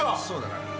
そうだな。